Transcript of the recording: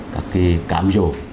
các cái cảm dồn